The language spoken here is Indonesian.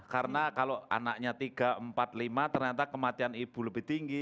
karena kalau anaknya tiga empat lima ternyata kematian ibu lebih tinggi